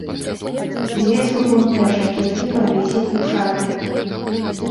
Дзве суконныя жакеткі павесіў у шафе.